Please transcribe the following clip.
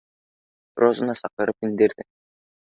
Розаны саҡырып индерҙе